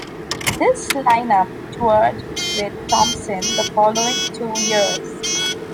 This line-up toured with Thompson the following two years.